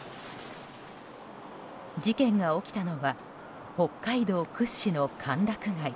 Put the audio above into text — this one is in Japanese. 事件が起きたのは北海道屈指の歓楽街